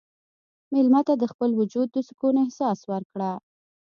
مېلمه ته د خپل وجود د سکون احساس ورکړه.